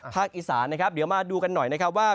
อีสานนะครับเดี๋ยวมาดูกันหน่อยนะครับว่า